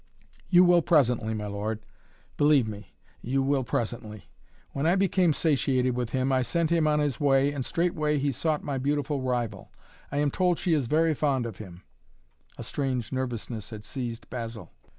"You will presently, my lord believe me you will presently. When I became satiated with him I sent him on his way and straightway he sought my beautiful rival. I am told she is very fond of him " A strange nervousness had seized Basil.